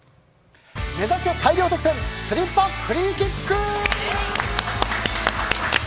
目指せ大量得点スリッパフリーキック！